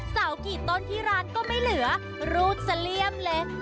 เสากี่ต้นที่ร้านก็ไม่เหลือรูดเสลี่ยมเลย